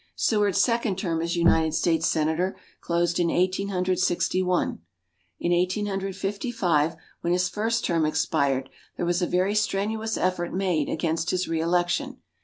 Seward's second term as United States Senator closed in Eighteen Hundred Sixty one. In Eighteen Hundred Fifty five, when his first term expired, there was a very strenuous effort made against his re election.